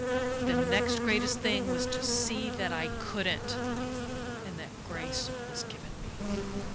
The next greatest thing was to see that I couldn't and that grace was given me.